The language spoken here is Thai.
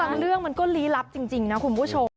เรื่องมันก็ลี้ลับจริงนะคุณผู้ชม